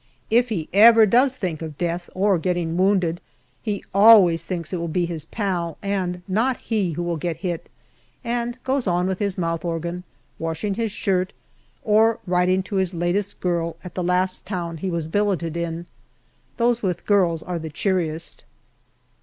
If he ever does think of death or getting wounded, he always thinks it will be his pal and not he who will get hit, and goes on with his mouth organ, washing his shirt, or writing to his latest girl at the last town he was billeted in. Those with girls are the cheeriest.